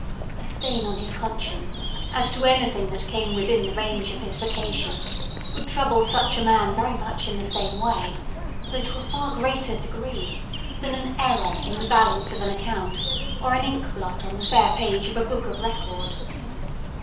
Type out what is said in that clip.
A stain on his conscience, as to anything that came within the range of his vocation, would trouble such a man very much in the same way, though to a far greater degree, than an error in the balance of an account, or an ink blot on the fair page of a book of record.